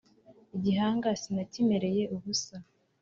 igihanga sinakimereye ubusa